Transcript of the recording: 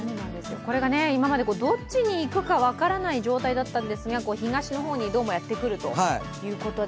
これが今までどっちにいくか分からない状態だったんですが東の方にどうもやってくるということで。